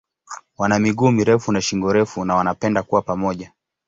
Wana miguu mirefu na shingo refu na wanapenda kuwa pamoja.